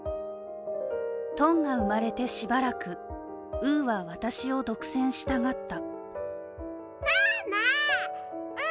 とんが産まれてしばらく、うーは私を独占したがった。